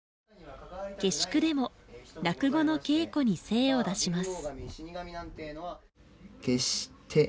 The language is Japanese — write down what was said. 下宿でも落語の稽古に精を出します。